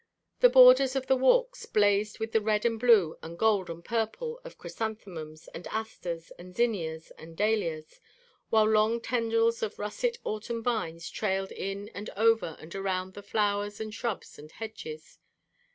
The borders of the walks blazed with the red and blue and gold and purple of chrysanthemums and asters and zinnias and dahlias, while long tendrils of russet autumn vines trailed in and over and around the flowers and shrubs and hedges.